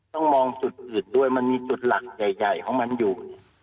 ต้องมองจุดอื่นด้วยมันมีจุดหลักใหญ่ของมันอยู่